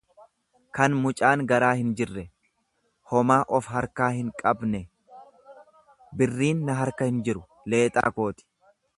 kan mucaan garaa hinjirre. homaa of harkaa hinqabne; Birriin na harka hinjiru, leexaa kooti.